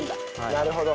なるほど。